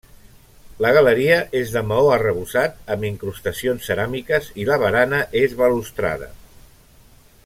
La galeria és de maó arrebossat amb incrustacions ceràmiques i la barana és balustrada.